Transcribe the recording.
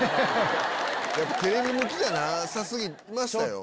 テレビ向きじゃなさ過ぎましたよ。